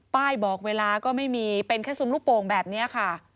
บอกเวลาก็ไม่มีเป็นแค่ซุมลูกโป่งแบบนี้ค่ะ